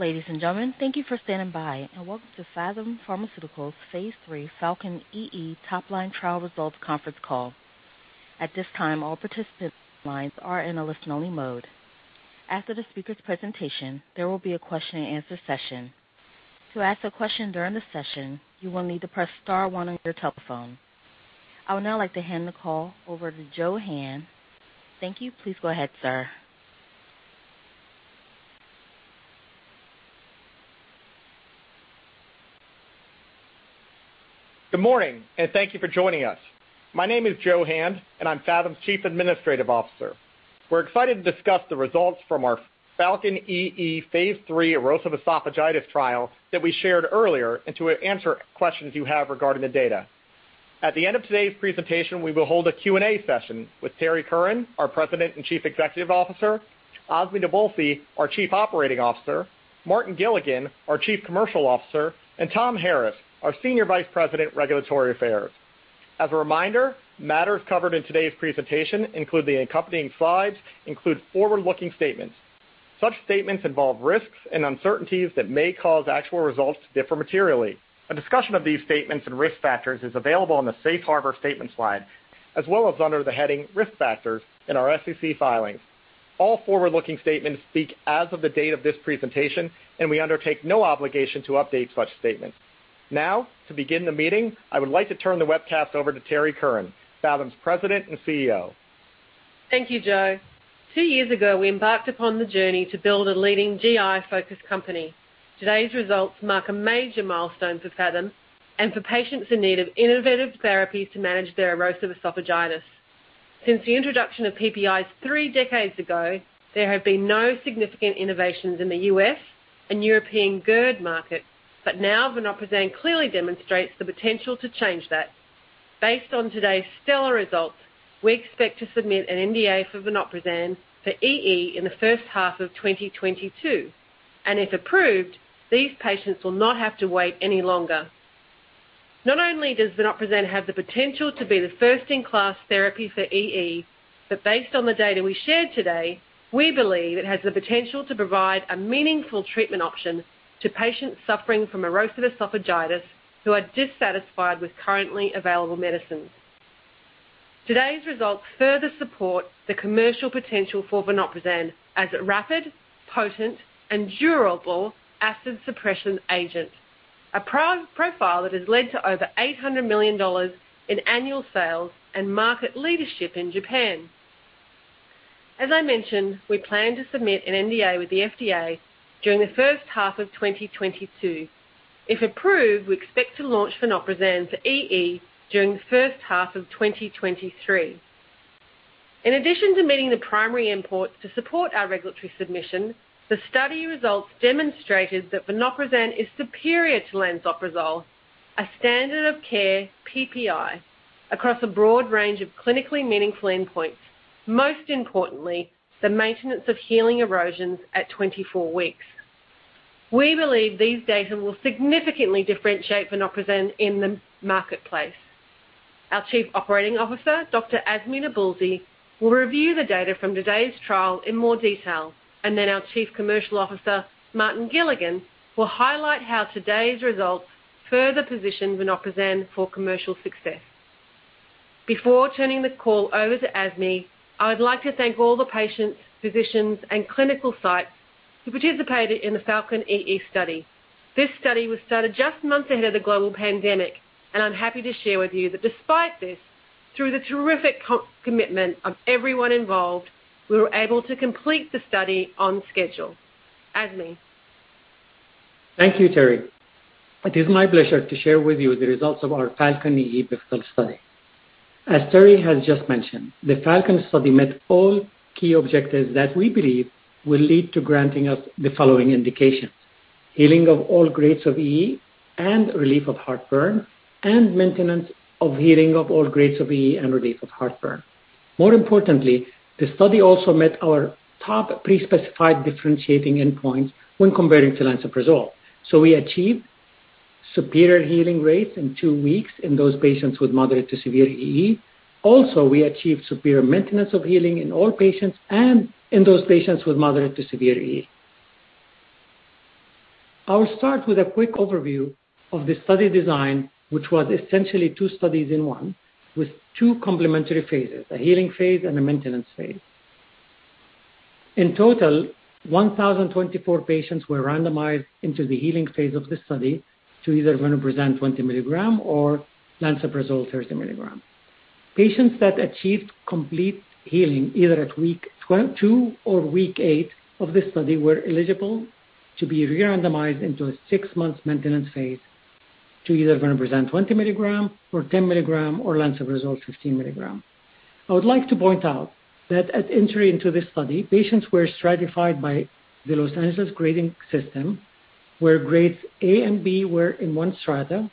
Ladies and gentlemen, thank you for standing by, welcome to Phathom Pharmaceuticals phase III PHALCON-EE Top Line Trial Results Conference Call. At this time, all participant lines are in a listen only mode. After the speaker's presentation, there will be a question and answer session. To ask a question during the session, you will need to press star one on your telephone. I would now like to hand the call over to Joe Hand. Thank you. Please go ahead, sir. Good morning. Thank you for joining us. My name is Joe Hand, and I'm Phathom's Chief Administrative Officer. We're excited to discuss the results from our PHALCON-EE phase III erosive esophagitis trial that we shared earlier, and to answer questions you have regarding the data. At the end of today's presentation, we will hold a Q&A session with Terrie Curran, our President and Chief Executive Officer, Azmi Nabulsi, our Chief Operating Officer, Martin Gilligan, our Chief Commercial Officer, and Tom Harris, our Senior Vice President, Regulatory Affairs. As a reminder, matters covered in today's presentation, including the accompanying slides, include forward-looking statements. Such statements involve risks and uncertainties that may cause actual results to differ materially. A discussion of these statements and risk factors is available on the safe harbor statement slide, as well as under the heading Risk Factors in our SEC filings. All forward-looking statements speak as of the date of this presentation, and we undertake no obligation to update such statements. Now, to begin the meeting, I would like to turn the webcast over to Terrie Curran, Phathom's President and CEO. Thank you, Joe Hand. Two years ago, we embarked upon the journey to build a leading GI-focused company. Today's results mark a major milestone for Phathom, and for patients in need of innovative therapies to manage their erosive esophagitis. Since the introduction of PPIs 3 decades ago, there have been no significant innovations in the U.S. and European GERD market. Now, vonoprazan clearly demonstrates the potential to change that. Based on today's stellar results, we expect to submit an NDA for vonoprazan for EE in the first half of 2022. If approved, these patients will not have to wait any longer. Not only does vonoprazan have the potential to be the first in class therapy for EE, but based on the data we shared today, we believe it has the potential to provide a meaningful treatment option to patients suffering from erosive esophagitis who are dissatisfied with currently available medicines. Today's results further support the commercial potential for vonoprazan as a rapid, potent and durable acid suppression agent. A profile that has led to over $800 million in annual sales, and market leadership in Japan. As I mentioned, we plan to submit an NDA with the FDA during the first half of 2022. If approved, we expect to launch vonoprazan for EE during the first half of 2023. In addition to meeting the primary endpoints to support our regulatory submission, the study results demonstrated that vonoprazan is superior to lansoprazole, a standard of care PPI, across a broad range of clinically meaningful endpoints, most importantly, the maintenance of healing erosions at 24 weeks. We believe these data will significantly differentiate vonoprazan in the marketplace. Our Chief Operating Officer, Dr. Azmi Nabulsi, will review the data from today's trial in more detail, and then our Chief Commercial Officer, Martin Gilligan, will highlight how today's results further position vonoprazan for commercial success. Before turning the call over to Azmi, I would like to thank all the patients, physicians, and clinical sites who participated in the PHALCON-EE study. This study was started just months ahead of the global pandemic, and I'm happy to share with you that despite this, through the terrific commitment of everyone involved, we were able to complete the study on schedule. Azmi. Thank you, Terrie. It is my pleasure to share with you the results of our PHALCON-EE pivotal study. As Terrie has just mentioned, the PHALCON study met all key objectives that we believe will lead to granting us the following indications. Healing of all grades of EE, relief of heartburn, and maintenance of healing of all grades of EE and relief of heartburn. More importantly, the study also met our top pre-specified differentiating endpoints when comparing to lansoprazole. We achieved superior healing rates in two weeks in those patients with moderate to severe EE. Also, we achieved superior maintenance of healing in all patients, and in those patients with moderate to severe EE. I will start with a quick overview of the study design, which was essentially two studies in one, with two complementary phases, a healing phase and a maintenance phase. In total, 1,024 patients were randomized into the healing phase of the study to either vonoprazan 20 milligrams or lansoprazole 30 milligrams. Patients that achieved complete healing, either at week two or week eight of this study, were eligible to be re-randomized into a six-month maintenance phase to either vonoprazan 20 milligrams or 10 milligrams, or lansoprazole 15 milligrams. I would like to point out that at entry into this study, patients were stratified by the Los Angeles grading system, where grades A and B were in 1 strata,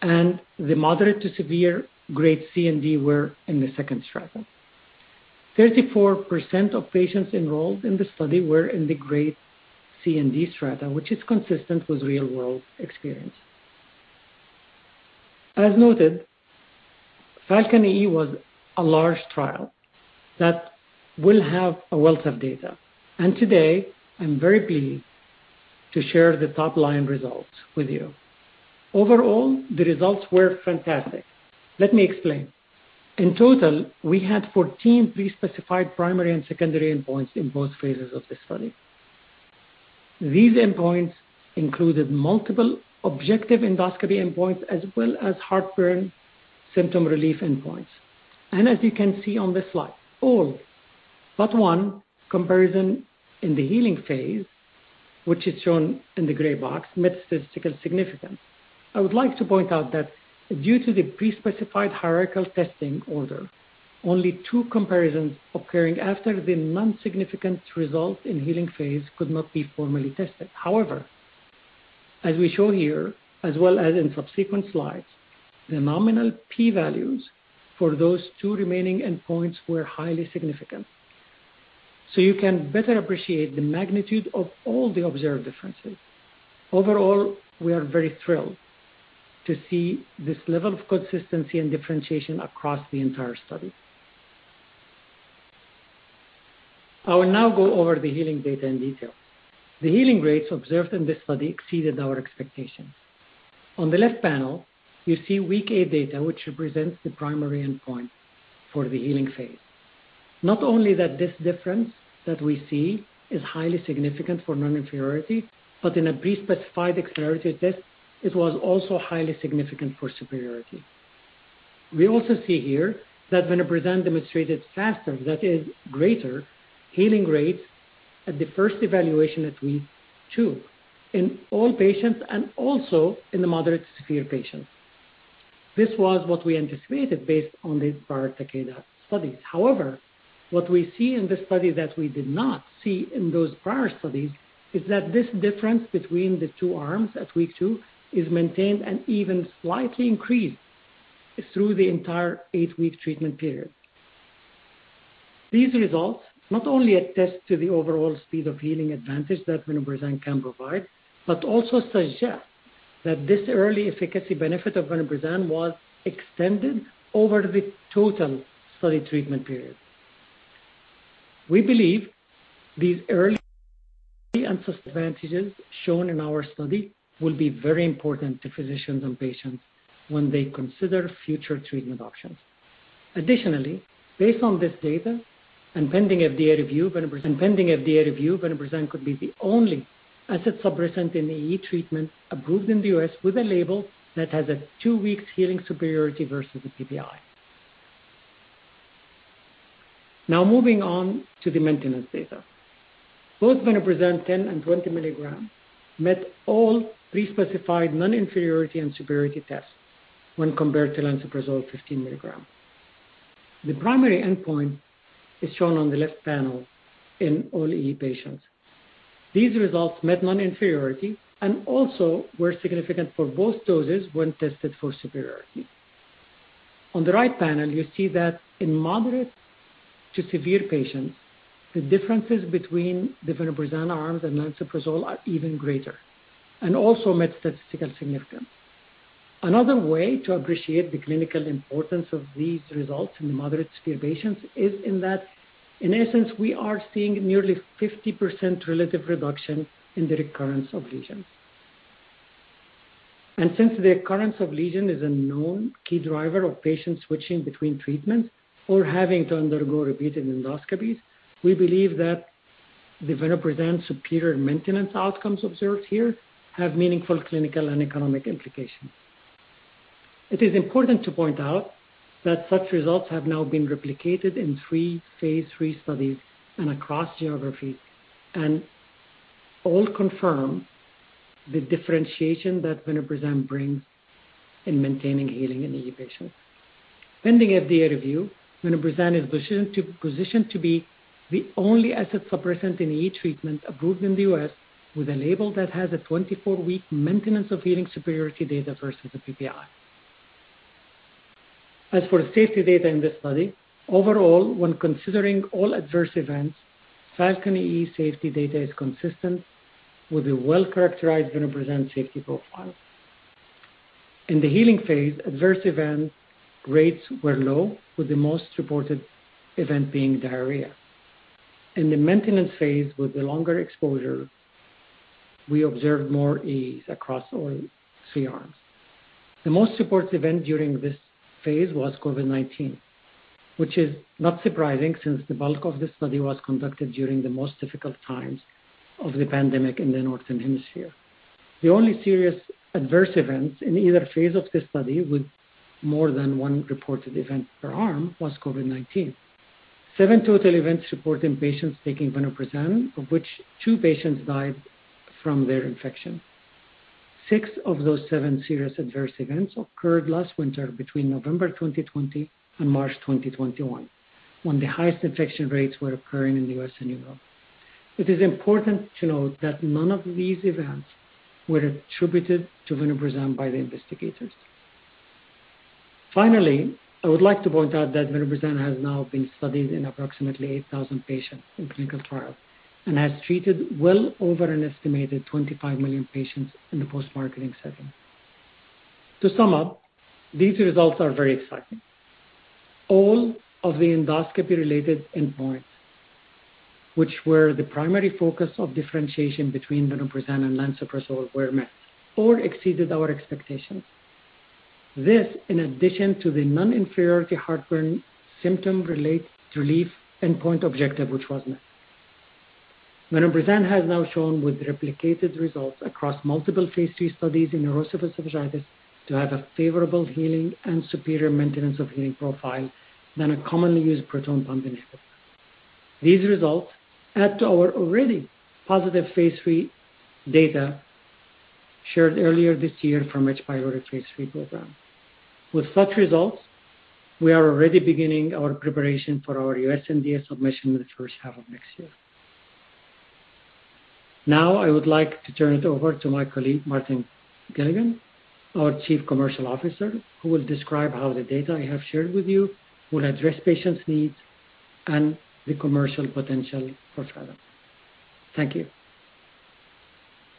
and the moderate to severe grades C and D were in the second strata. 34% of patients enrolled in the study were in the grade C and D strata, which is consistent with real-world experience. As noted, PHALCON-EE was a large trial that will have a wealth of data. Today, I'm very pleased to share the top line results with you. Overall, the results were fantastic. Let me explain. In total, we had 14 pre-specified primary and secondary endpoints in both phases of this study. These endpoints included multiple objective endoscopy endpoints as well as heartburn symptom relief endpoints. As you can see on this slide, all but one comparison in the healing phase, which is shown in the gray box, met statistical significance. I would like to point out that due to the pre-specified hierarchical testing order, only two comparisons occurring after the non-significant result in healing phase could not be formally tested. However, as we show here, as well as in subsequent slides, the nominal P values for those two remaining endpoints were highly significant. You can better appreciate the magnitude of all the observed differences. Overall, we are very thrilled to see this level of consistency and differentiation across the entire study. I will now go over the healing data in detail. The healing rates observed in this study exceeded our expectations. On the left panel, you see week eight data, which represents the primary endpoint for the healing phase. Not only that this difference that we see is highly significant for non-inferiority, but in a pre-specified superiority test, it was also highly significant for superiority. We also see here that vonoprazan demonstrated faster, that is greater, healing rates at the first evaluation at week two in all patients and also in the moderate to severe patients. This was what we anticipated based on the prior Takeda studies. What we see in this study that we did not see in those prior studies is that this difference between the two arms at week two is maintained and even slightly increased through the entire eight-week treatment period. These results not only attest to the overall speed of healing advantage that vonoprazan can provide, but also suggest that this early efficacy benefit of vonoprazan was extended over the total study treatment period. We believe these early advantages shown in our study will be very important to physicians and patients when they consider future treatment options. Based on this data and pending FDA review, vonoprazan could be the only acid suppressants in EE treatment approved in the U.S. with a label that has a two weeks healing superiority versus a PPI. Moving on to the maintenance data. Both vonoprazan 10 and 20 milligrams met all pre-specified non-inferiority and superiority tests when compared to lansoprazole 15 milligrams. The primary endpoint is shown on the left panel in all EE patients. These results met non-inferiority and also were significant for both doses when tested for superiority. On the right panel, you see that in moderate to severe patients, the differences between the vonoprazan arms and lansoprazole are even greater and also met statistical significance. Another way to appreciate the clinical importance of these results in the moderate severe patients is in that, in essence, we are seeing nearly 50% relative reduction in the recurrence of lesions. Since the occurrence of lesion is a known key driver of patients switching between treatments or having to undergo repeated endoscopies, we believe that the vonoprazan superior maintenance outcomes observed here have meaningful clinical and economic implications. It is important to point out that such results have now been replicated in three phase III studies and across geographies, and all confirm the differentiation that vonoprazan brings in maintaining healing in EE patients. Pending FDA review, vonoprazan is positioned to be the only acid suppressants in EE treatment approved in the U.S. with a label that has a 24-week maintenance of healing superiority data versus a PPI. As for safety data in this study, overall, when considering all adverse events, PHALCON-EE safety data is consistent with a well-characterized vonoprazan safety profile. In the healing phase, adverse event rates were low, with the most reported event being diarrhea. In the maintenance phase with the longer exposure, we observed more EEs across all three arms. The most reported event during this phase was COVID-19, which is not surprising since the bulk of the study was conducted during the most difficult times of the pandemic in the Northern Hemisphere. The only serious adverse events in either phase of this study with more than one reported event per arm was COVID-19. seven total events reported in patients taking vonoprozan, of which two patients died from their infection. six of those seven serious adverse events occurred last winter between November 2020 and March 2021, when the highest infection rates were occurring in the U.S. and Europe. It is important to note that none of these events were attributed to vonoprozan by the investigators. Finally, I would like to point out that vonoprozan has now been studied in approximately 8,000 patients in clinical trials and has treated well over an estimated 25 million patients in the post-marketing setting. To sum up, these results are very exciting. All of the endoscopy-related endpoints, which were the primary focus of differentiation between vonoprazan and lansoprazole, were met or exceeded our expectations. This, in addition to the non-inferiority heartburn symptom relief endpoint objective, which was met. Vonoprazan has now shown with replicated results across multiple phase III studies in erosive esophagitis to have a favorable healing and superior maintenance of healing profile than a commonly used proton pump inhibitor. These results add to our already positive phase III data shared earlier this year from H. pylori phase III program. With such results, we are already beginning our preparation for our U.S. NDA submission in the first half of next year. I would like to turn it over to my colleague, Martin Gilligan, our Chief Commercial Officer, who will describe how the data I have shared with you will address patients' needs and the commercial potential for Phathom. Thank you.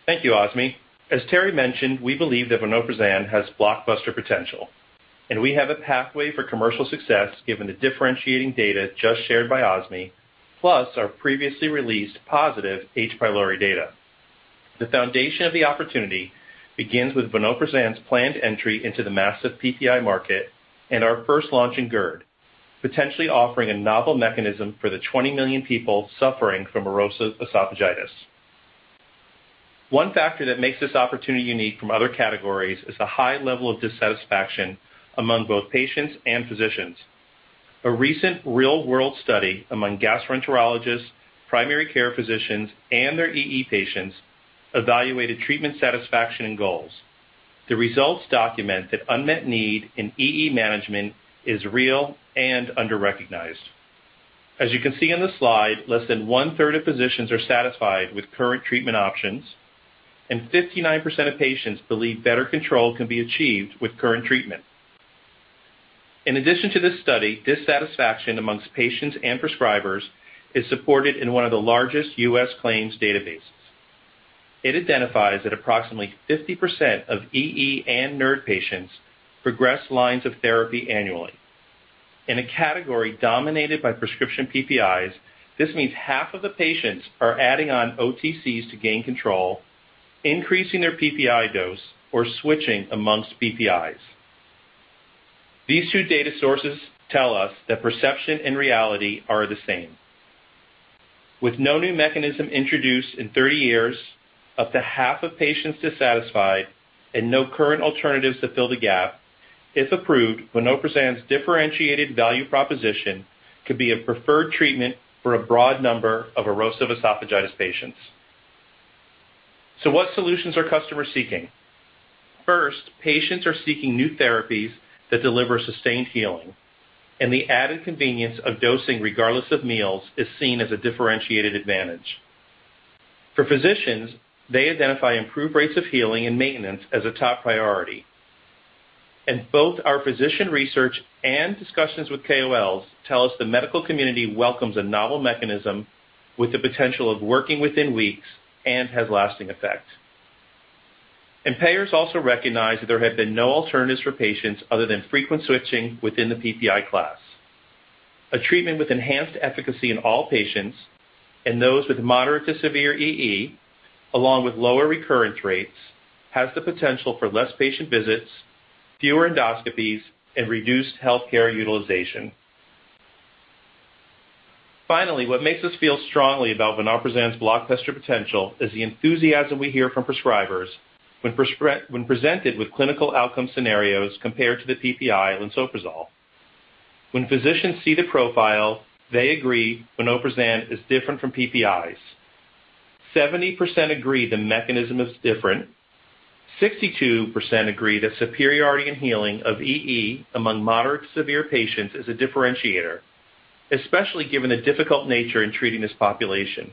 Thank you, Azmi. As Terrie mentioned, we believe that vonoprozan has blockbuster potential, and we have a pathway for commercial success given the differentiating data just shared by Azmi, plus our previously released positive H. pylori data. The foundation of the opportunity begins with vonoprozan's planned entry into the massive PPI market and our first launch in GERD, potentially offering a novel mechanism for the 20 million people suffering from erosive esophagitis. One factor that makes this opportunity unique from other categories is the high level of dissatisfaction among both patients and physicians. A recent real-world study among gastroenterologists, primary care physicians, and their EE patients evaluated treatment satisfaction and goals. The results document that unmet need in EE management is real and under-recognized. As you can see on the slide, less than one-third of physicians are satisfied with current treatment options, and 59% of patients believe better control can be achieved with current treatment. In addition to this study, dissatisfaction amongst patients and prescribers is supported in one of the largest U.S. claims databases. It identifies that approximately 50% of EE and NERD patients progress lines of therapy annually. In a category dominated by prescription PPIs, this means half of the patients are adding on OTCs to gain control, increasing their PPI dose, or switching amongst PPIs. These two data sources tell us that perception and reality are the same. With no new mechanism introduced in 30 years, up to half of patients dissatisfied, and no current alternatives to fill the gap, if approved, vonoprazan's differentiated value proposition could be a preferred treatment for a broad number of erosive esophagitis patients. What solutions are customers seeking? First, patients are seeking new therapies that deliver sustained healing. The added convenience of dosing, regardless of meals, is seen as a differentiated advantage. For physicians, they identify improved rates of healing and maintenance as a top priority. Both our physician research and discussions with KOLs tell us the medical community welcomes a novel mechanism with the potential of working within weeks and has lasting effect. Payers also recognize that there have been no alternatives for patients other than frequent switching within the PPI class. A treatment with enhanced efficacy in all patients and those with moderate to severe EE, along with lower recurrence rates, has the potential for less patient visits, fewer endoscopies, and reduced healthcare utilization. Finally, what makes us feel strongly about vonoprozan's blockbuster potential is the enthusiasm we hear from prescribers when presented with clinical outcome scenarios compared to the PPI lansoprazole. When physicians see the profile, they agree vonoprozan is different from PPIs. 70% agree the mechanism is different. 62% agree that superiority and healing of EE among moderate to severe patients is a differentiator, especially given the difficult nature in treating this population.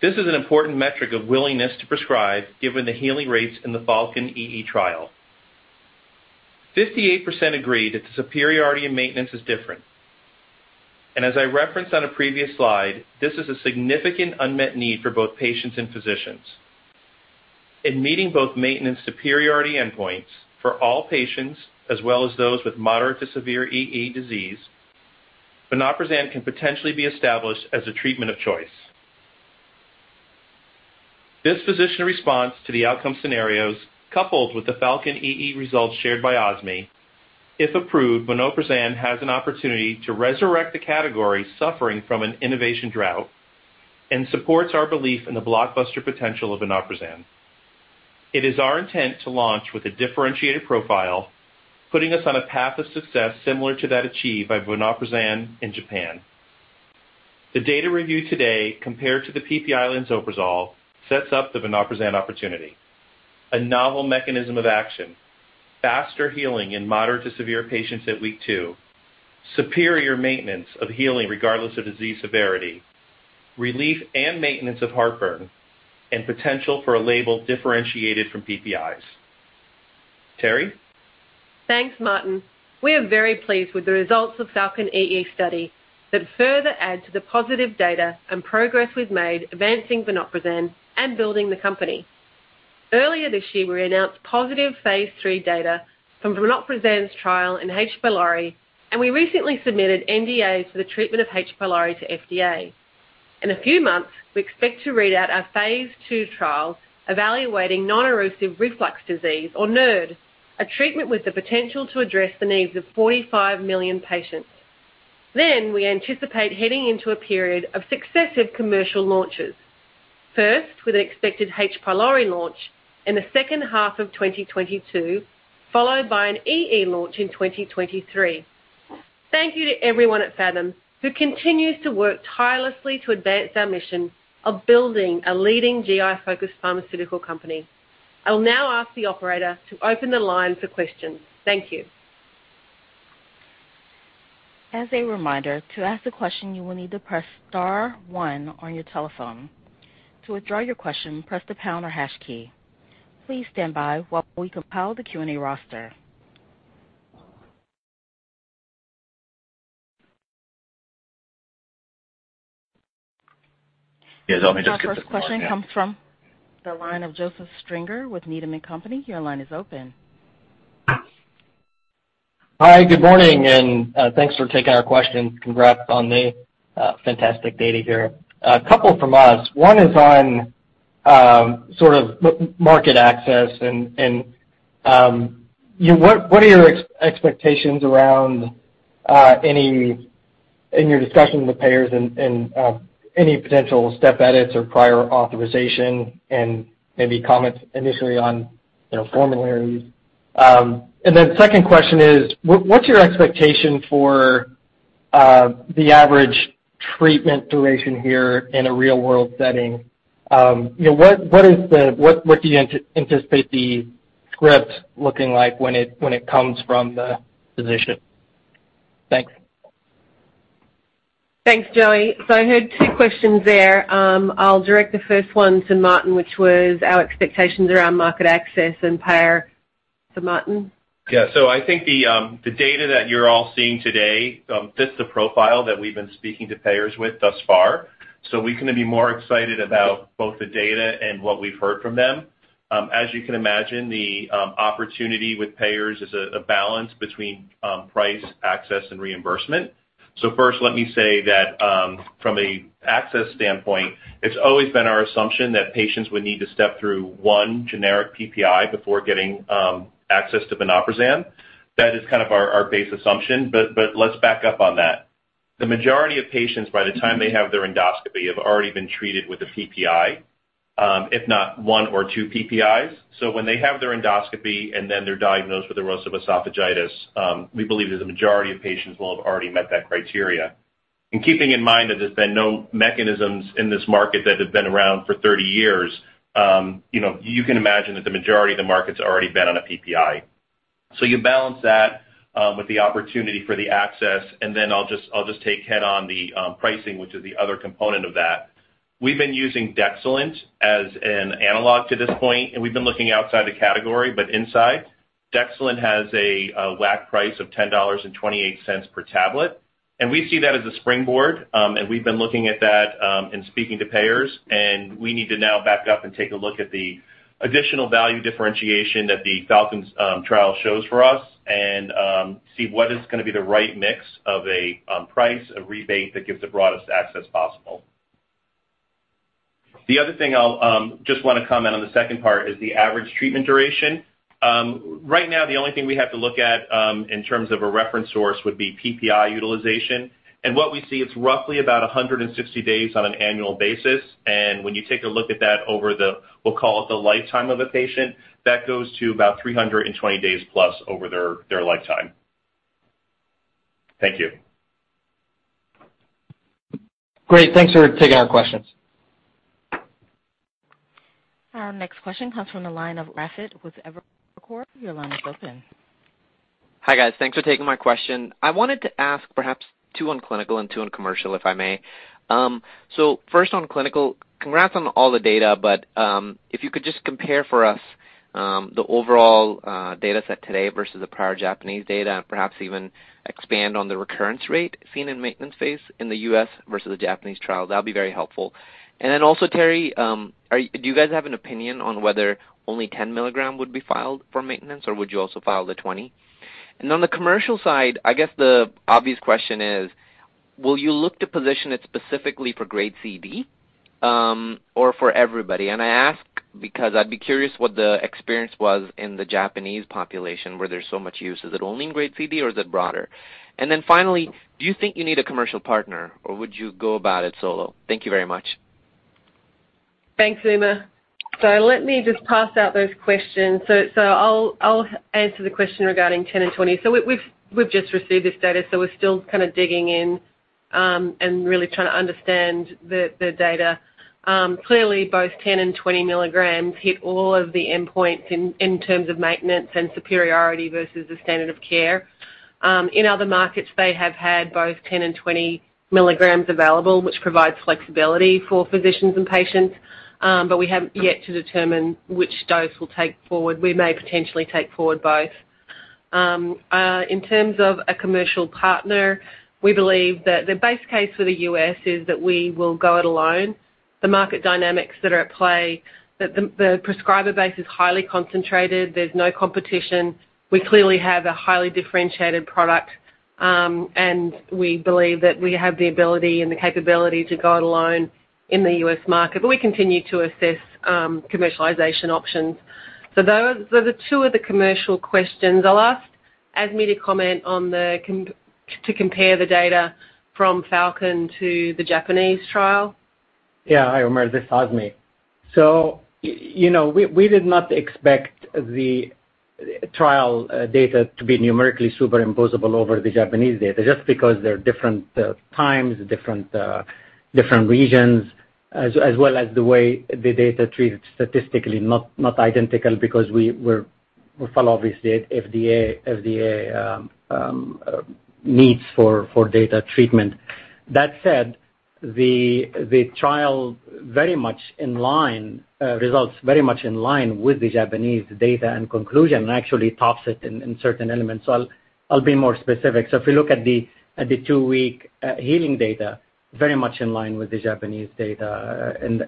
This is an important metric of willingness to prescribe given the healing rates in the PHALCON-EE trial. 58% agree that the superiority in maintenance is different. As I referenced on a previous slide, this is a significant unmet need for both patients and physicians. In meeting both maintenance superiority endpoints for all patients, as well as those with moderate to severe EE disease, vonoprozan can potentially be established as a treatment of choice. This physician response to the outcome scenarios, coupled with the PHALCON-EE results shared by Azmi, if approved, vonoprazan has an opportunity to resurrect the category suffering from an innovation drought and supports our belief in the blockbuster potential of vonoprazan. It is our intent to launch with a differentiated profile, putting us on a path of success similar to that achieved by vonoprazan in Japan. The data reviewed today, compared to the PPI lansoprazole, sets up the vonoprazan opportunity. A novel mechanism of action, faster healing in moderate to severe patients at week two. Superior maintenance of healing regardless of disease severity. Relief and maintenance of heartburn. Potential for a label differentiated from PPIs. Terrie? Thanks, Martin. We are very pleased with the results of PHALCON-EE study that further add to the positive data and progress we've made advancing vonoprazan and building the company. Earlier this year, we announced positive phase III data from vonoprazan's trial in H. pylori, and we recently submitted NDAs for the treatment of H. pylori to FDA. In a few months, we expect to read out our phase II trial evaluating non-erosive reflux disease, or NERD, a treatment with the potential to address the needs of 45 million patients. We anticipate heading into a period of successive commercial launches. First, with expected H. pylori launch in the second half of 2022, followed by an EE launch in 2023. Thank you to everyone at Phathom who continues to work tirelessly to advance our mission of building a leading GI-focused pharmaceutical company. I'll now ask the operator to open the line for questions. Thank you. As a reminder, to ask a question, you will need to press star one on your telephone. To withdraw your question, press the pound or hash key. Please stand by while we compile the Q&A roster. Yes, let me just get. Our first question comes from the line of Joseph Stringer with Needham & Company. Your line is open. Hi. Good morning. Thanks for taking our questions. Congrats on the fantastic data here. Two from us. one is on sort of market access and what are your expectations around any, in your discussion with payers and any potential step edits or prior authorization and maybe comments initially on formularies. 2nd question is, what's your expectation for the average treatment duration here in a real-world setting? What do you anticipate the script looking like when it comes from the physician? Thanks. Thanks, Joey. I heard two questions there. I'll direct the first one to Martin, which was our expectations around market access and payer. Martin? Yeah. I think the data that you're all seeing today fits the profile that we've been speaking to payers with thus far. We couldn't be more excited about both the data and what we've heard from them. As you can imagine, the opportunity with payers is a balance between price, access, and reimbursement. First, let me say that, from an access standpoint, it's always been our assumption that patients would need to step through 1 generic PPI before getting access to vonoprazan. That is kind of our base assumption, but let's back up on that. The majority of patients, by the time they have their endoscopy, have already been treated with a PPI, if not one or two PPIs. When they have their endoscopy and then they're diagnosed with erosive esophagitis, we believe that the majority of patients will have already met that criteria. Keeping in mind that there's been no mechanisms in this market that have been around for 30 years, you can imagine that the majority of the market's already been on a PPI. You balance that with the opportunity for the access, and then I'll just take head-on the pricing, which is the other component of that. We've been using DEXILANT as an analog to this point, and we've been looking outside the category, but inside. DEXILANT has a WAC price of $10.28 per tablet, and we see that as a springboard. We've been looking at that and speaking to payers, and we need to now back up and take a look at the additional value differentiation that the FALCON trial shows for us and see what is going to be the right mix of a price, a rebate that gives the broadest access possible. The other thing I'll just want to comment on the second part is the average treatment duration. Right now the only thing we have to look at in terms of a reference source would be PPI utilization. What we see, it's roughly about 160 days on an annual basis. When you take a look at that, we'll call it the lifetime of a patient, that goes to about 320 days plus over their lifetime. Thank you. Great. Thanks for taking our questions. Our next question comes from the line of Umer Raffat with Evercore. Your line is open. Hi, guys. Thanks for taking my question. I wanted to ask perhaps two on clinical and two on commercial, if I may. First on clinical, congrats on all the data, but if you could just compare for us the overall dataset today versus the prior Japanese data, and perhaps even expand on the recurrence rate seen in maintenance phase in the U.S. versus the Japanese trial. That'd be very helpful. Also, Terri, do you guys have an opinion on whether only 10 milligram would be filed for maintenance, or would you also file the 20? On the commercial side, I guess the obvious question is, will you look to position it specifically for Grade C/D or for everybody? I ask because I'd be curious what the experience was in the Japanese population, where there's so much use. Is it only in Grade C/D, or is it broader? Finally, do you think you need a commercial partner, or would you go about it solo? Thank you very much. Thanks, Umer. Let me just parse out those questions. I'll answer the question regarding 10 and 20. We've just received this data, so we're still kind of digging in and really trying to understand the data. Clearly, both 10 and 20 milligrams hit all of the endpoints in terms of maintenance and superiority versus the standard of care. In other markets, they have had both 10 and 20 milligrams available, which provides flexibility for physicians and patients. We have yet to determine which dose we'll take forward. We may potentially take forward both. In terms of a commercial partner, we believe that the base case for the U.S. is that we will go it alone. The market dynamics that are at play, the prescriber base is highly concentrated. There's no competition. We clearly have a highly differentiated product. We believe that we have the ability and the capability to go it alone in the U.S. market, but we continue to assess commercialization options. Those are the two of the commercial questions. I'll ask Azmi to compare the data from PHALCON-EE to the Japanese trial. Yeah. Hi, Umer. This Azmi. We did not expect the trial data to be numerically superimposable over the Japanese data, just because there are different times, different regions, as well as the way the data treated statistically, not identical because we follow, obviously, FDA needs for data treatment. That said, the trial results very much in line with the Japanese data and conclusion, and actually tops it in certain elements. I'll be more specific. If you look at the two-week healing data, very much in line with the Japanese data in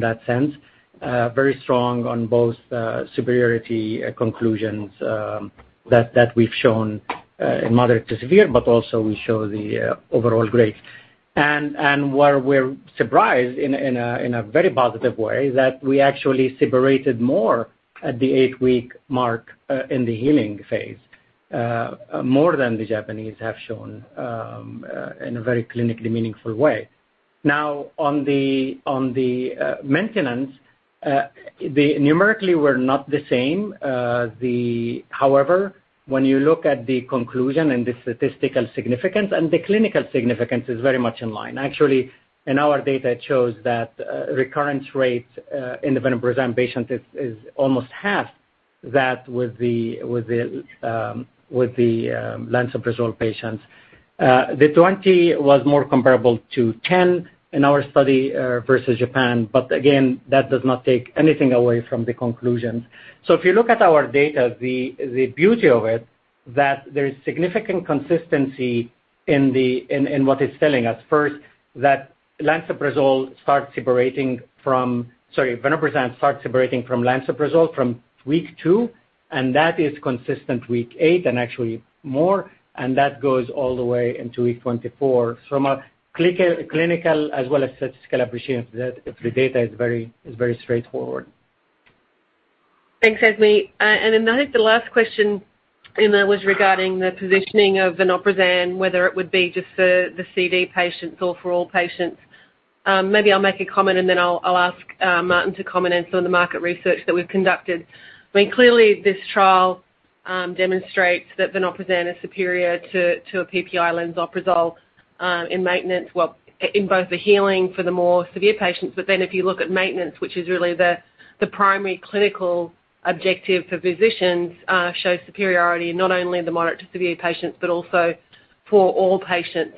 that sense. Very strong on both superiority conclusions that we've shown in moderate to severe, but also we show the overall grade. Where we're surprised in a very positive way is that we actually separated more at the 8-week mark in the healing phase, more than the Japanese have shown in a very clinically meaningful way. On the maintenance, numerically were not the same. However, when you look at the conclusion and the statistical significance, and the clinical significance is very much in line. In our data, it shows that recurrence rates in the vonoprazan patients is almost half that with the lansoprazole patients. The 20 was more comparable to 10 in our study versus Japan, but again, that does not take anything away from the conclusion. If you look at our data, the beauty of it, that there is significant consistency in what it's telling us. That lansoprazole starts separating from Sorry. vonoprozan starts separating from lansoprazole from week two, and that is consistent week eight, and actually more, and that goes all the way into week 24. From a clinical as well as statistical appreciation, the data is very straightforward. Thanks, Azmi. I think the last question was regarding the positioning of vonoprozan, whether it would be just for the C/D patients or for all patients. Maybe I'll make a comment, and then I'll ask Martin to comment on some of the market research that we've conducted. I mean, clearly this trial demonstrates that vonoprozan is superior to a PPI lansoprazole in maintenance, well, in both the healing for the more severe patients. If you look at maintenance, which is really the primary clinical objective for physicians, shows superiority not only in the moderate to severe patients, but also for all patients.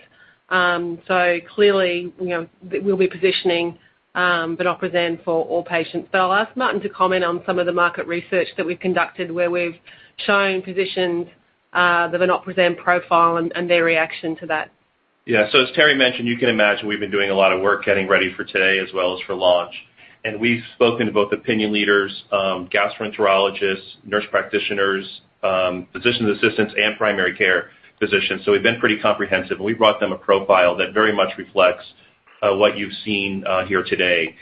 Clearly, we'll be positioning vonoprozan for all patients. I'll ask Martin to comment on some of the market research that we've conducted where we've shown physicians the vonoprozan profile and their reaction to that. Yeah. As Terrie mentioned, you can imagine we've been doing a lot of work getting ready for today as well as for launch. We've spoken to both opinion leaders, gastroenterologists, nurse practitioners, physicians assistants, and primary care physicians. We've been pretty comprehensive, and we've brought them a profile that very much reflects what you've seen here today.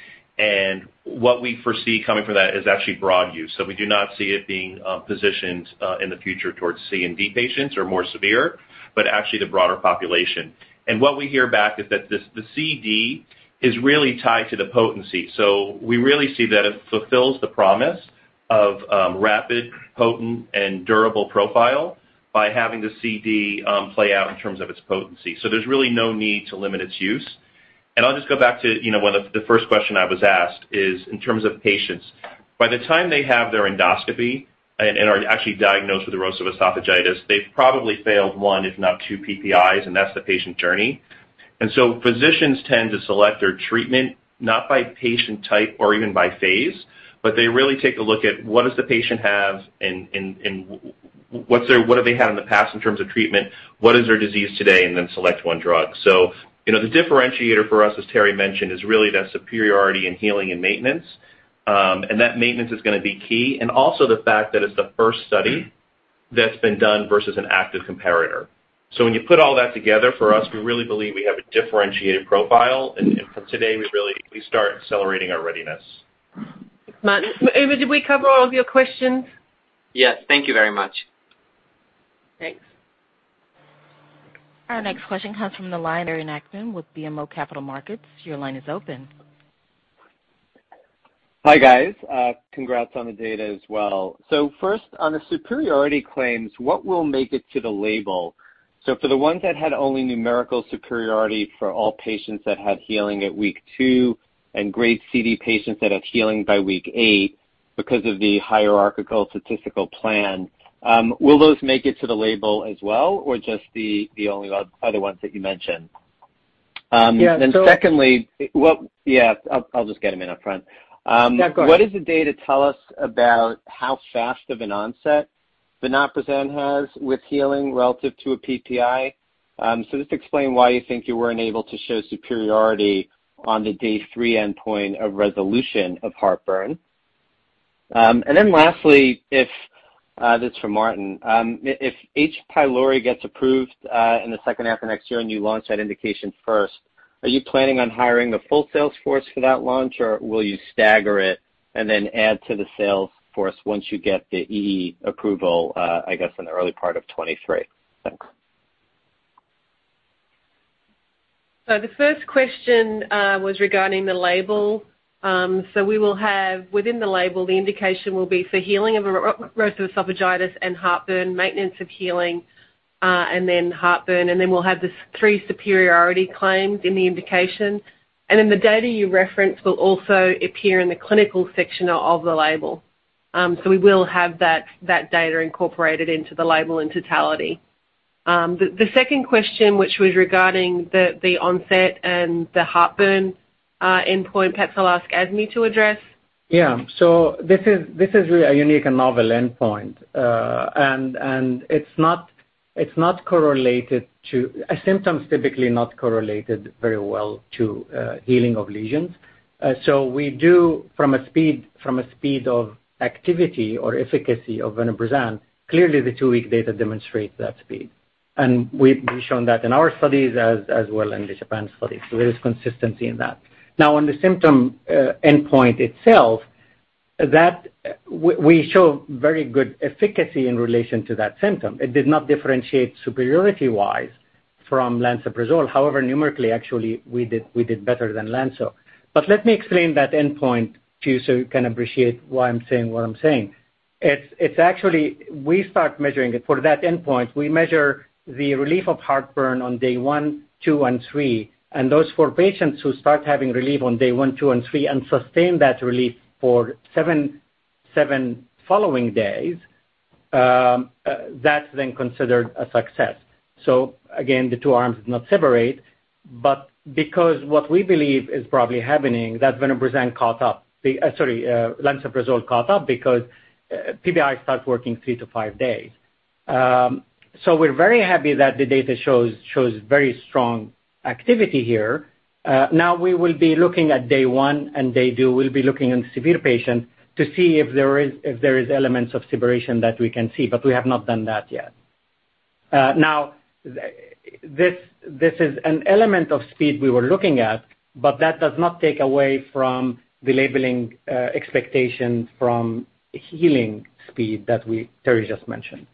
What we foresee coming from that is actually broad use. We do not see it being positioned in the future towards C and D patients or more severe, but actually the broader population. What we hear back is that the C/D is really tied to the potency. We really see that it fulfills the promise of rapid, potent, and durable profile by having the C/D play out in terms of its potency. There's really no need to limit its use. I'll just go back to the first question I was asked is in terms of patients. By the time they have their endoscopy and are actually diagnosed with erosive esophagitis, they've probably failed one, if not two, PPIs, and that's the patient journey. Physicians tend to select their treatment not by patient type or even by phase, but they really take a look at what does the patient have and what have they had in the past in terms of treatment, what is their disease today, and then select one drug. The differentiator for us, as Terrie mentioned, is really that superiority in healing and maintenance. That maintenance is going to be key, and also the fact that it's the first study that's been done versus an active comparator. When you put all that together, for us, we really believe we have a differentiated profile. From today, we start accelerating our readiness. Thanks, Martin. Umer, did we cover all of your questions? Yes. Thank you very much. Thanks. Our next question comes from the line, Aaron Axman with BMO Capital Markets. Your line is open. Hi, guys. Congrats on the data as well. First, on the superiority claims, what will make it to the label? For the ones that had only numerical superiority for all patients that had healing at week two and grade CD patients that had healing by week eight because of the hierarchical statistical plan, will those make it to the label as well, or just the only other ones that you mentioned? Yeah, so- Yeah, I'll just get them in up front. Yeah, go ahead. What does the data tell us about how fast of an onset vonoprozan has with healing relative to a PPI? Just explain why you think you weren't able to show superiority on the day 3 endpoint of resolution of heartburn. Lastly, this is for Martin. If H. pylori gets approved in the second half of next year and you launch that indication first, are you planning on hiring a full sales force for that launch, or will you stagger it and then add to the sales force once you get the EE approval, I guess, in the early part of 2023? Thanks. The first question was regarding the label. We will have, within the label, the indication will be for healing of erosive esophagitis and heartburn, maintenance of healing, and then heartburn, and then we'll have the three superiority claims in the indication. The data you referenced will also appear in the clinical section of the label. We will have that data incorporated into the label in totality. The second question, which was regarding the onset and the heartburn endpoint, perhaps I'll ask Azmi to address. Yeah. This is really a unique and novel endpoint. It's not symptoms typically not correlated very well to healing of lesions. We do, from a speed of activity or efficacy of vonoprozan, clearly the two-week data demonstrates that speed. We've shown that in our studies as well in the Japan studies. There is consistency in that. Now, on the symptom endpoint itself, we show very good efficacy in relation to that symptom. It did not differentiate superiority-wise from lansoprazole. However, numerically, actually, we did better than lanso. Let me explain that endpoint to you so you can appreciate why I'm saying what I'm saying. It's actually, we start measuring it for that endpoint. We measure the relief of heartburn on day one, two, and three. Those for patients who start having relief on day one, two, and three and sustain that relief for seven following days, that's considered a success. Again, the two arms did not separate. Because what we believe is probably happening, that vonoprozan caught up. Sorry, lansoprazole caught up because PPI starts working three to five days. We're very happy that the data shows very strong activity here. Now, we will be looking at day one and day two. We'll be looking in severe patients to see if there is elements of separation that we can see, we have not done that yet. Now, this is an element of speed we were looking at, that does not take away from the labeling expectations from healing speed that Terrie just mentioned.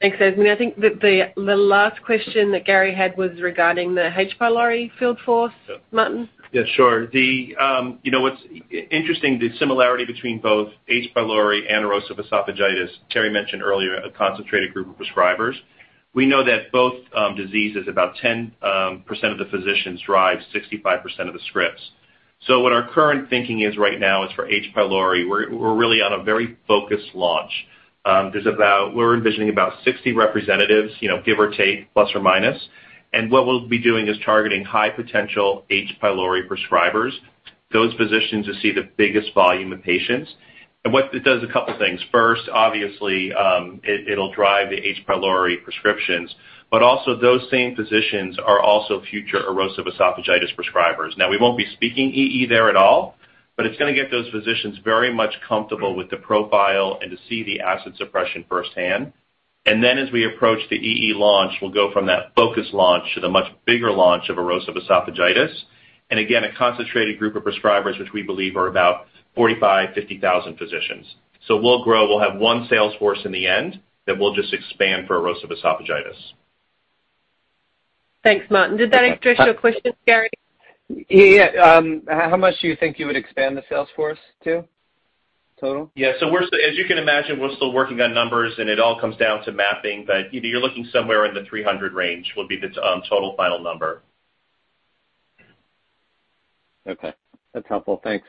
Thanks, Azmi. I think that the last question that Gary had was regarding the H. pylori field force. Martin? Yeah, sure. What's interesting, the similarity between both H. pylori and erosive esophagitis, Terri mentioned earlier, a concentrated group of prescribers. We know that both diseases, about 10% of the physicians drive 65% of the scripts. What our current thinking is right now is for H. pylori, we're really on a very focused launch. We're envisioning about 60 representatives, give or take, plus or minus. What we'll be doing is targeting high potential H. pylori prescribers, those physicians who see the biggest volume of patients. It does a couple things. First, obviously, it'll drive the H. pylori prescriptions, but also those same physicians are also future erosive esophagitis prescribers. We won't be speaking EE there at all, but it's going to get those physicians very much comfortable with the profile and to see the acid suppression firsthand. As we approach the EE launch, we'll go from that focused launch to the much bigger launch of erosive esophagitis. Again, a concentrated group of prescribers, which we believe are about 45,000, 50,000 physicians. We'll grow. We'll have one sales force in the end that we'll just expand for erosive esophagitis. Thanks, Martin. Did that address your question, Gary? Yeah. How much do you think you would expand the sales force to total? Yeah. As you can imagine, we're still working on numbers, and it all comes down to mapping. You're looking somewhere in the 300 range will be the total final number. Okay. That's helpful. Thanks.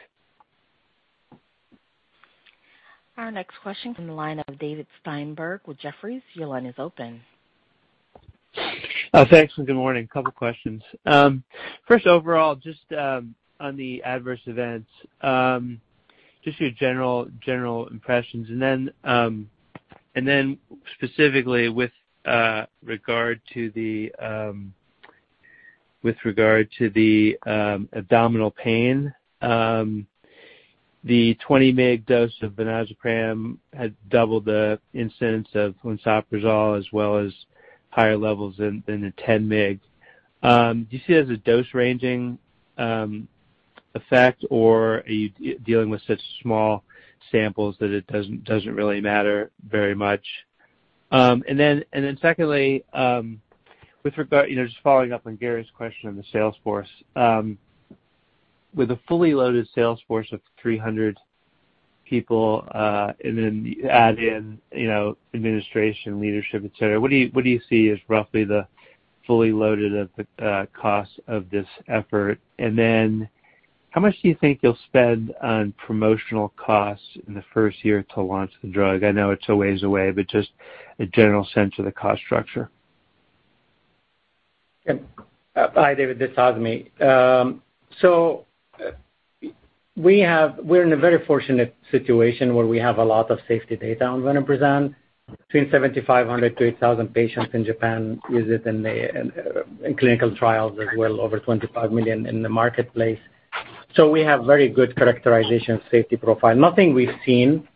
Our next question from the line of David Steinberg with Jefferies. Your line is open. Thanks, and good morning. A couple of questions. First, overall, just on the adverse events, just your general impressions. Specifically with regard to the abdominal pain, the 20 mg dose of vonoprazan had doubled the incidence of lansoprazole as well as higher levels than the 10 mg. Do you see it as a dose-ranging effect, or are you dealing with such small samples that it doesn't really matter very much? Secondly, just following up on Gary's question on the sales force. With a fully loaded sales force of 300 people, and then add in administration, leadership, et cetera, what do you see as roughly the fully loaded cost of this effort? How much do you think you'll spend on promotional costs in the first year to launch the drug? I know it's a ways away, but just a general sense of the cost structure. Hi, David. This is Azmi. We're in a very fortunate situation where we have a lot of safety data on vonoprazan. Between 7,500-8,000 patients in Japan use it in clinical trials as well, over 25 million in the marketplace. We have very good characterization safety profile. Nothing we've seen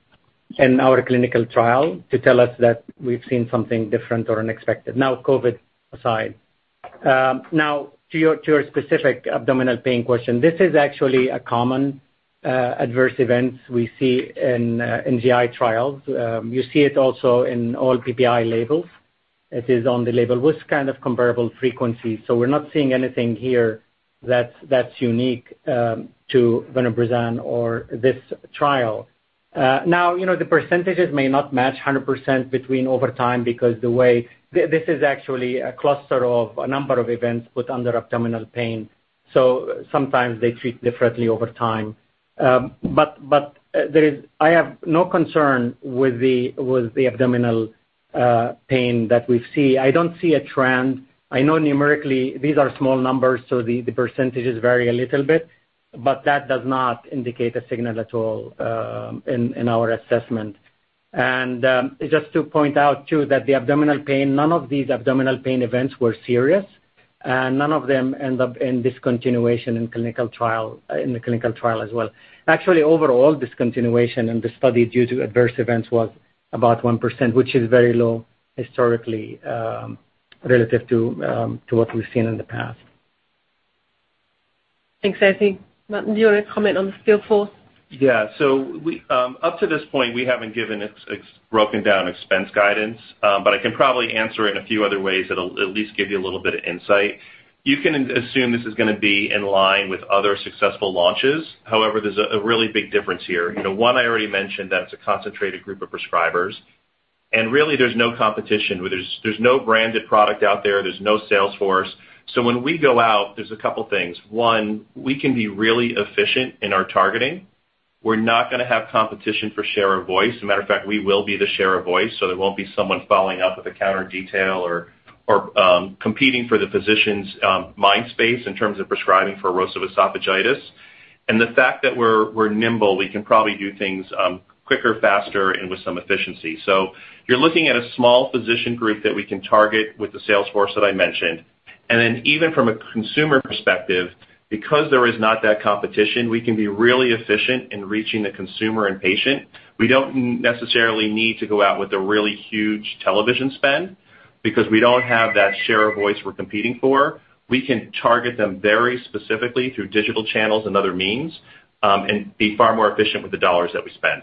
in our clinical trial to tell us that we've seen something different or unexpected. COVID aside. To your specific abdominal pain question, this is actually a common adverse event we see in GI trials. You see it also in all PPI labels. It is on the label with kind of comparable frequency. We're not seeing anything here that's unique to vonoprazan or this trial. The percentages may not match 100% between over time because this is actually a cluster of a number of events put under abdominal pain. Sometimes they treat differently over time. I have no concern with the abdominal pain that we've seen. I don't see a trend. I know numerically these are small numbers, so the percentages vary a little bit, but that does not indicate a signal at all in our assessment. Just to point out too, that the abdominal pain, none of these abdominal pain events were serious. None of them end up in discontinuation in the clinical trial as well. Overall discontinuation in the study due to adverse events was about 1%, which is very low historically, relative to what we've seen in the past. Thanks, Azmi. Martin, do you want to comment on the sales force? Yeah. Up to this point, we haven't given a broken down expense guidance. I can probably answer it in a few other ways that'll at least give you a little bit of insight. You can assume this is going to be in line with other successful launches. However, there's a really big difference here. One I already mentioned, that it's a concentrated group of prescribers, and really there's no competition. There's no branded product out there. There's no sales force. When we go out, there's a couple things. One, we can be really efficient in our targeting. We're not going to have competition for share of voice. As a matter of fact, we will be the share of voice, so there won't be someone following up with a counter detail or competing for the physician's mind space in terms of prescribing for erosive esophagitis. The fact that we're nimble, we can probably do things quicker, faster, and with some efficiency. You're looking at a small physician group that we can target with the sales force that I mentioned. Even from a consumer perspective, because there is not that competition, we can be really efficient in reaching the consumer and patient. We don't necessarily need to go out with a really huge television spend because we don't have that share of voice we're competing for. We can target them very specifically through digital channels and other means, and be far more efficient with the dollars that we spend.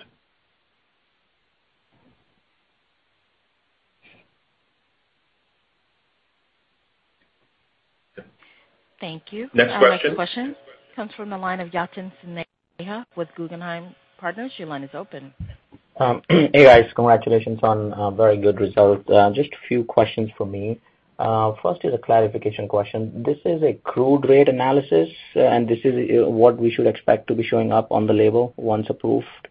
Thank you. Next question. Our next question comes from the line of Yatin Suneja with Guggenheim Partners. Your line is open. Hey, guys. Congratulations on a very good result. Just a few questions from me. First is a clarification question. This is a crude rate analysis, and this is what we should expect to be showing up on the label once approved?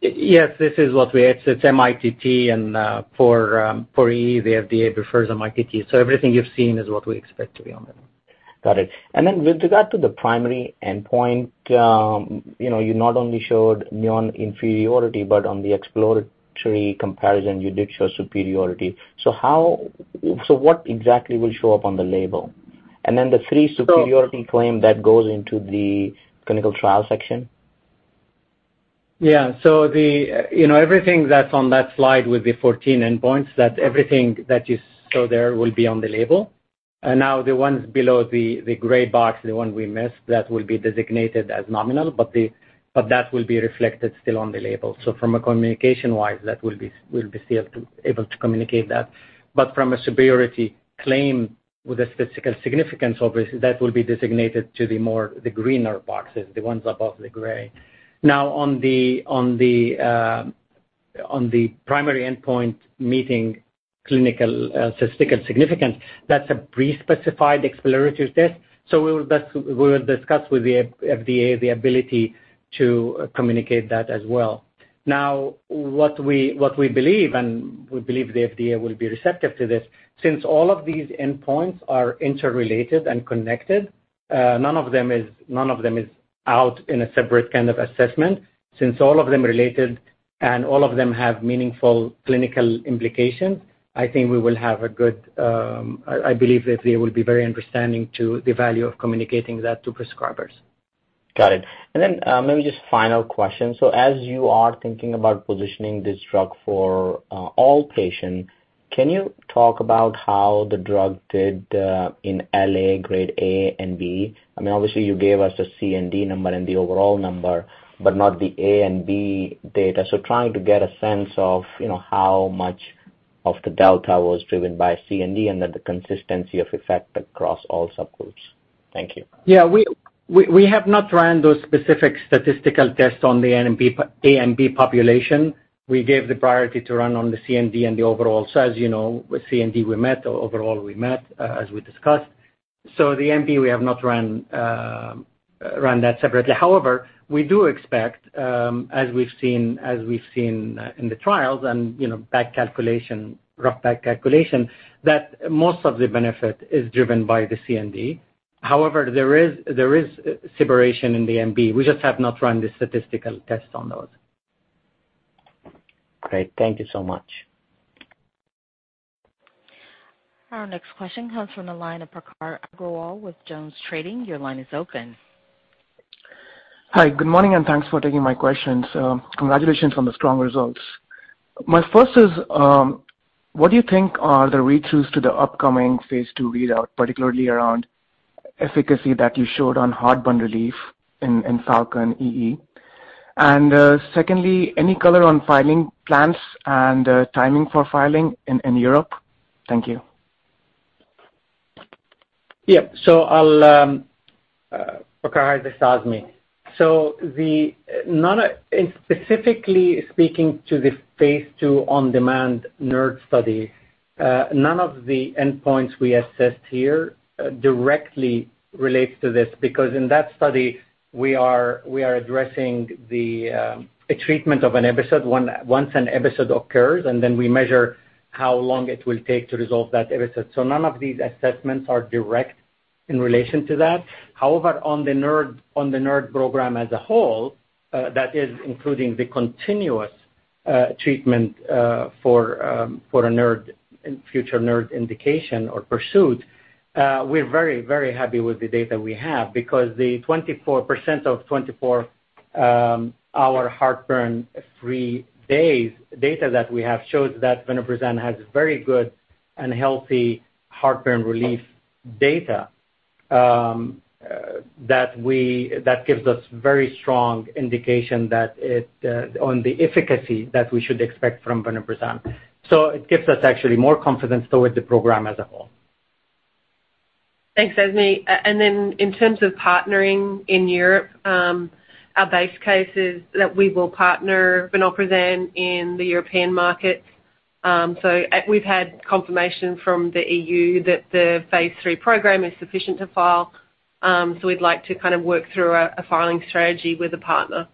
Yes. It's MITT and for EU, the FDA prefers MITT. Everything you've seen is what we expect to be on the label. Got it. With regard to the primary endpoint, you not only showed non-inferiority, but on the exploratory comparison you did show superiority. What exactly will show up on the label? The 3 superiority claim that goes into the clinical trial section? Yeah. Everything that's on that slide with the 14 endpoints, that everything that you saw there will be on the label. Now the ones below the gray box, the one we missed, that will be designated as nominal, but that will be reflected still on the label. From a communication-wise, that we'll be still able to communicate that. From a superiority claim with a statistical significance, obviously, that will be designated to the greener boxes, the ones above the gray. On the primary endpoint meeting clinical statistical significance, that's a pre-specified exploratory test. We will discuss with the FDA the ability to communicate that as well. What we believe, and we believe the FDA will be receptive to this, since all of these endpoints are interrelated and connected, none of them is out in a separate kind of assessment. Since all of them related and all of them have meaningful clinical implications, I believe the FDA will be very understanding to the value of communicating that to prescribers. Got it. Then, maybe just final question. As you are thinking about positioning this drug for all patients, can you talk about how the drug did in L.A. grade A and B? Obviously, you gave us a C and D number and the overall number, but not the A and B data. Trying to get a sense of how much of the delta was driven by C and D and then the consistency of effect across all subgroups. Thank you. We have not run those specific statistical tests on the A and B population. We gave the priority to run on the C and D and the overall. As you know, with C and D, we met. Overall, we met, as we discussed. The A and B, we have not run that separately. However, we do expect, as we've seen in the trials and rough back calculation, that most of the benefit is driven by the C and D. However, there is separation in the A and B. We just have not run the statistical tests on those. Great. Thank you so much. Our next question comes from the line of Prakhar Agrawal with JonesTrading. Your line is open. Hi. Good morning, and thanks for taking my questions. Congratulations on the strong results. My first is, what do you think are the read-throughs to the upcoming phase II readout, particularly around efficacy that you showed on heartburn relief in PHALCON-EE? Secondly, any color on filing plans and timing for filing in Europe? Thank you. Yeah. Prakhar, this is Azmi. Specifically speaking to the phase II on-demand NERD study, none of the endpoints we assessed here directly relates to this, because in that study, we are addressing the treatment of an episode once an episode occurs, and then we measure how long it will take to resolve that episode. None of these assessments are direct in relation to that. However, on the NERD program as a whole, that is including the continuous treatment for a future NERD indication or pursuit, we're very, very happy with the data we have, because the 24% of 24-hour heartburn-free days data that we have shows that vonoprozan has very good and healthy heartburn relief data that gives us very strong indication on the efficacy that we should expect from vonoprozan. It gives us actually more confidence towards the program as a whole. Thanks, Azmi. In terms of partnering in Europe, our base case is that we will partner vonoprazan in the European market. We've had confirmation from the EU that the phase III program is sufficient to file. We'd like to work through a filing strategy with a partner.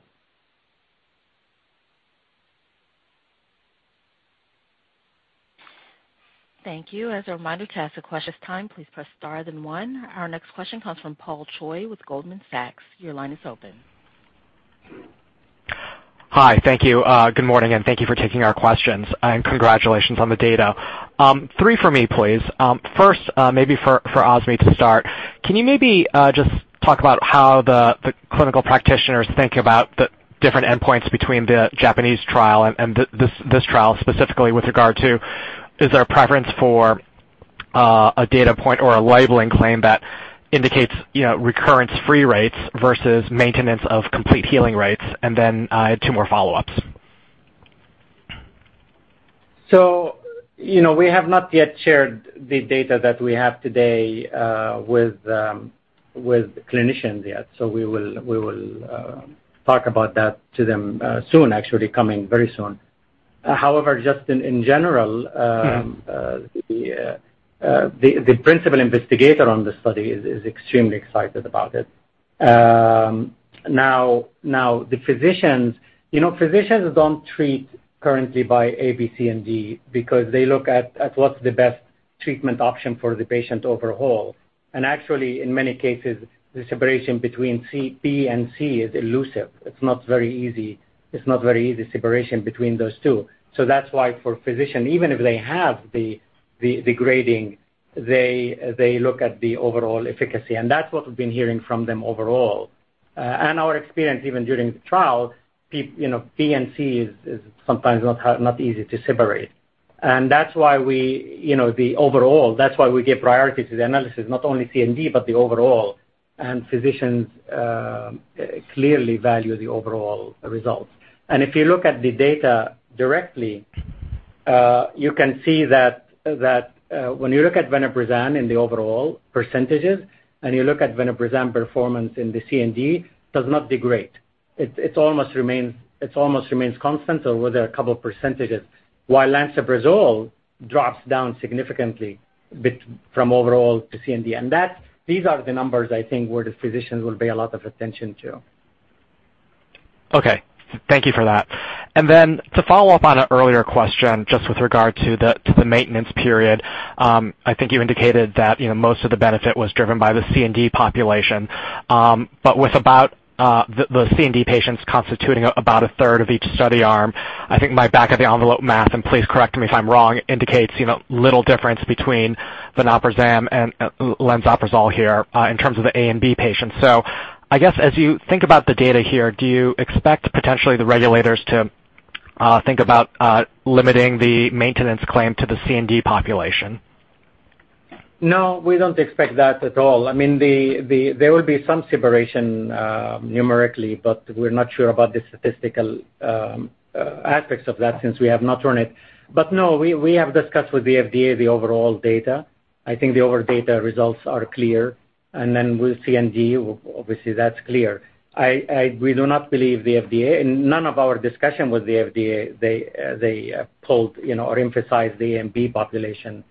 Thank you. As a reminder, to ask a question at this time, please press star then one. Our next question comes from Paul Choi with Goldman Sachs. Your line is open. Hi. Thank you. Good morning, and thank you for taking our questions. Congratulations on the data. 3 for me, please. First, maybe for Azmi to start. Can you maybe just talk about how the clinical practitioners think about the different endpoints between the Japanese trial and this trial specifically with regard to, is there a preference for a data point or a labeling claim that indicates recurrence-free rates versus maintenance of complete healing rates? Then I have 2 more follow-ups. We have not yet shared the data that we have today with clinicians yet. We will talk about that to them soon, actually coming very soon. The principal investigator on this study is extremely excited about it. Now, the physicians don't treat currently by A, B, C, and D because they look at what's the best treatment option for the patient overall. Actually, in many cases, the separation between B and C is elusive. It's not very easy separation between those two. That's why for a physician, even if they have the grading, they look at the overall efficacy. That's what we've been hearing from them overall. Our experience, even during the trial, B and C is sometimes not easy to separate. That's why we give priority to the analysis, not only C and D, but the overall. Physicians clearly value the overall results. If you look at the data directly, you can see that when you look at vonoprazan in the overall %, and you look at vonoprazan performance in the C and D, does not degrade. It almost remains constant or with a couple of %, while lansoprazole drops down significantly from overall to C and D. These are the numbers I think where the physicians will pay a lot of attention to. Okay. Thank you for that. Then to follow up on an earlier question, just with regard to the maintenance period, I think you indicated that most of the benefit was driven by the C and D population. With the C and D patients constituting about one-third of each study arm, I think my back of the envelope math, and please correct me if I'm wrong, indicates little difference between vonoprozan and lansoprazole here in terms of the A and B patients. I guess as you think about the data here, do you expect potentially the regulators to think about limiting the maintenance claim to the C and D population? No, we don't expect that at all. There will be some separation numerically, but we're not sure about the statistical aspects of that since we have not run it. No, we have discussed with the FDA the overall data. I think the overall data results are clear. With C and D, obviously that's clear. We do not believe the FDA, in none of our discussion with the FDA, they pulled or emphasized the MB population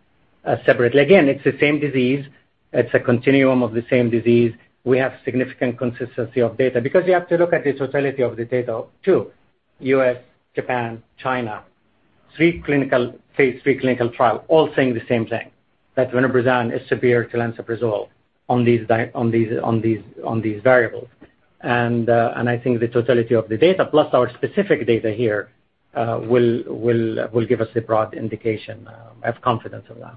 separately. Again, it's the same disease. It's a continuum of the same disease. We have significant consistency of data because you have to look at the totality of the data, too. U.S., Japan, China, 3 clinical trials, all saying the same thing, that vonoprozan is severe to lansoprazole on these variables. I think the totality of the data, plus our specific data here, will give us a broad indication. I have confidence in that.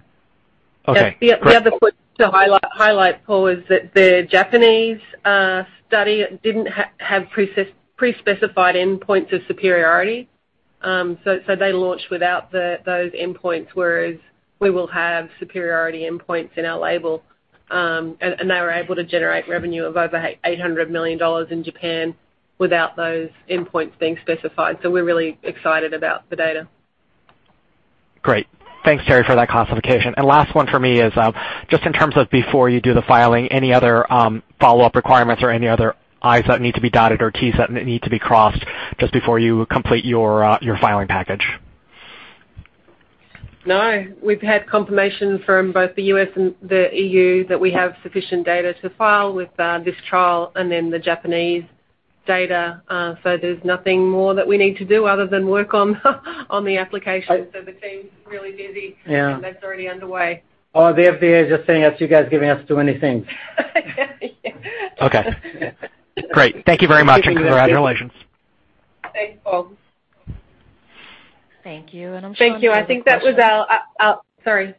Okay. The other point to highlight, Paul, is that the Japanese study didn't have pre-specified endpoints of superiority. They launched without those endpoints, whereas we will have superiority endpoints in our label. They were able to generate revenue of over $800 million in Japan without those endpoints being specified. We're really excited about the data. Great. Thanks, Terrie, for that clarification. Last one for me is, just in terms of before you do the filing, any other follow-up requirements or any other I's that need to be dotted or T's that need to be crossed just before you complete your filing package? We've had confirmation from both the U.S. and the E.U. that we have sufficient data to file with this trial and then the Japanese data. There's nothing more that we need to do other than work on the application. The team's really busy. Yeah. That's already underway. Oh, the FDA is just saying that you guys giving us too many things. Yeah. Okay. Great. Thank you very much and congratulations. Thanks, Paul. Thank you. Thank you. I think that was all. Sorry.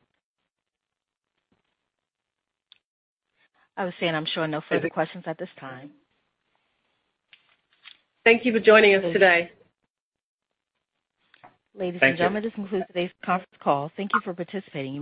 I was saying I'm showing no further questions at this time. Thank you for joining us today. Ladies and gentlemen. Thank you. This concludes today's conference call. Thank you for participating. You may disconnect.